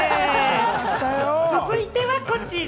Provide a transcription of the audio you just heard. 続いてはこちら！